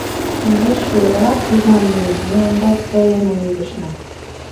Изиш шуэрак тудлан лийын, ме ондак тыйыным ӱдышна.